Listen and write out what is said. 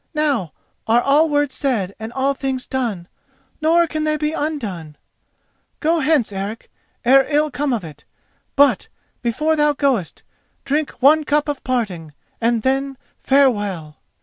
Now are all words said and all things done—nor can they be undone. Go hence, Eric, ere ill come of it; but, before thou goest, drink one cup of parting, and then farewell."